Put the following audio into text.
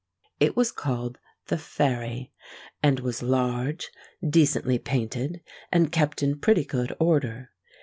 It was called the Fairy, and was large, decently painted, and kept in pretty good order.